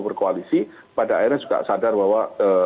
berkoalisi pada akhirnya juga sadar bahwa